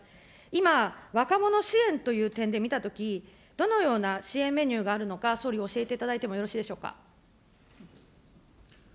今、若者支援という点で見たとき、どのような支援メニューがあるのか、総理、教えていただいてもよろしいでしょうか。